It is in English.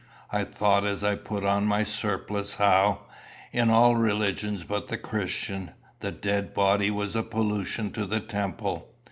I thought as I put on my surplice how, in all religions but the Christian, the dead body was a pollution to the temple.